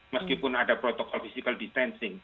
meskipun ada protokol physical distancing